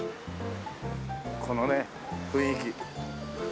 このね雰囲気。